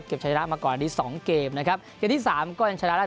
เก็บชนะมาก่อนดีสองเกมนะครับฯที่สามก็ยังชนะได้